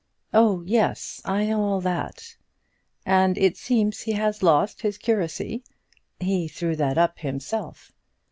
"Oh yes, I know all that." "And it seems he has lost his curacy?" "He threw that up himself."